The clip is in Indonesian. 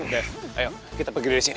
udah ayo kita pergi dari sini